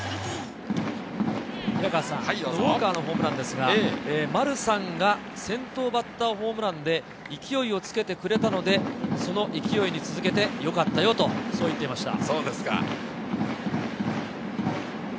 ウォーカーのホームランは、丸さんが先頭バッターホームランで、勢いをつけてくれたので、その勢いに続けてよかったよと言っていました。